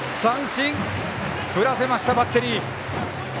振らせました、バッテリー。